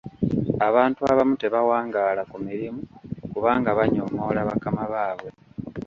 Abantu abamu tebawangaala ku mirimu kubanga banyoomoola bakama baabwe.